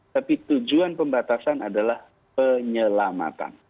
tapi tujuan pembatasan adalah penyelamatan